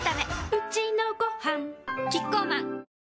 うちのごはんキッコーマン